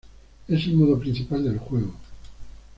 Es el modo principal del juego.